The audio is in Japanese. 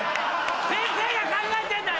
先生が考えてんだ！